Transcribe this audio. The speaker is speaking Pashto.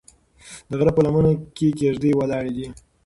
د غره په لمنه کې کيږدۍ ولاړې دي.